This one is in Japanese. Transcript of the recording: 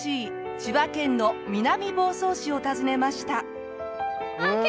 千葉県の南房総市を訪ねました。